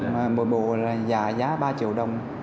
một bộ giả giá ba triệu đồng